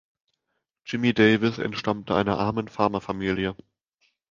Jimmie Davis entstammte einer armen Farmerfamilie.